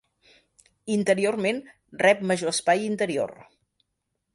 Interiorment rep major espai interior.